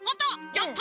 やった！